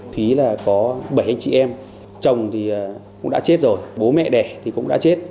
thúy có bảy anh chị em chồng cũng đã chết rồi bố mẹ đẻ cũng đã chết